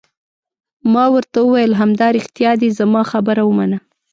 ما ورته وویل: همدارښتیا دي، زما خبره ومنه.